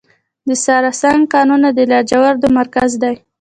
د سرسنګ کانونه د لاجوردو مرکز دی